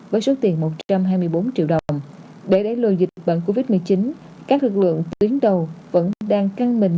với số tiền một trăm hai mươi bốn triệu đồng để đẩy lùi dịch bệnh covid một mươi chín các lực lượng tuyến đầu vẫn đang căng mình